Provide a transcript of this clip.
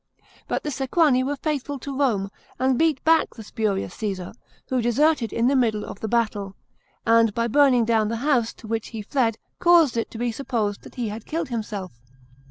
But the Sequani were faithful to Rome, and beat back the spurious Caesar, who deserted in the middle of the battle, and by burning down the house to which he fled caused it to be supposed that he had killed himself.